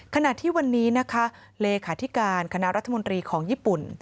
ขณะที่วันนี้นะคะเลขาธิการคณะรัฐมนตรีของญี่ปุ่น